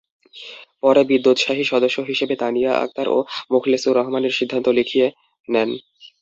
পরে বিদ্যোৎসাহী সদস্য হিসেবে তানিয়া আক্তার ও মুখলেছুর রহমানের সিদ্ধান্ত লিখিয়ে নেন।